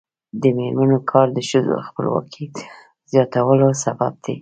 د میرمنو کار د ښځو خپلواکۍ زیاتولو سبب دی.